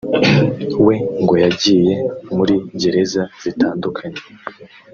we ngo yagiye muri gereza zitandukanye